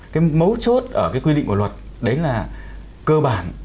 cái mấu chốt ở cái quy định của luật đấy là cơ bản